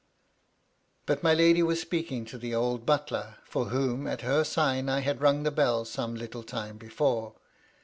But my lady was speaking to the old butler, for whom, at her sign, I had rung the bell some little time before.